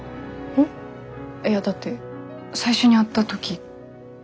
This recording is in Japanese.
いやだって最初に会った時。